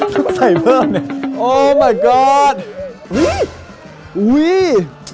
ต้องใส่เพิ่มเนี่ย